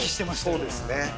そうですね。